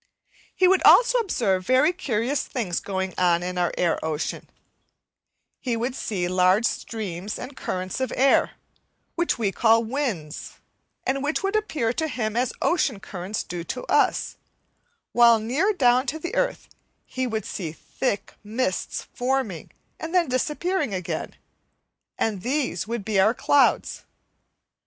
He would also observe very curious things going on in our air ocean; he would see large streams and currents of air, which we call winds, and which would appear to him as ocean currents do to us, while near down to the earth he would see thick mists forming and then disappearing again, and these would be our clouds.